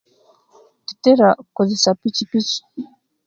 Tutira okukozesia pikipiki